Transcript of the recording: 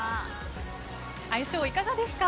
相性、いかがですか？